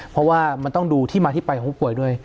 เพราะว่ามันต้องดูที่มาที่ไปของผู้ป่วยด้วย